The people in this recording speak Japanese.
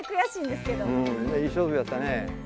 いい勝負やったね。